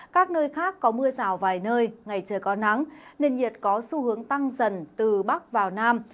các nơi khác có mưa rào vài nơi ngày trời có nắng nền nhiệt có xu hướng tăng dần từ bắc vào nam